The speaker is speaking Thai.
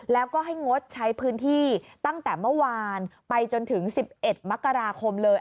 แล้วก็ให้งดใช้พื้นที่ตั้งแต่เมื่อวานไปจนถึง๑๑มกราคมเลย